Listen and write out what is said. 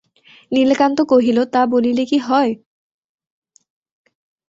নীলকান্ত কহিল–তা বলিলে কি হয়!